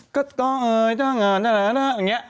ก็ต้องเอ่ยต้องเอ่ยต้องเอ่ยต้องเอ่ยต้องเอ่ย